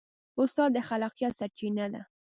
استاد د خلاقیت سرچینه ده.